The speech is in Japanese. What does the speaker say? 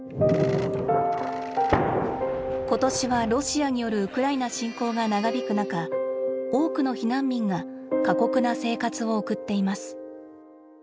今年はロシアによるウクライナ侵攻が長引く中多くの避難民が過酷な生活を送っています。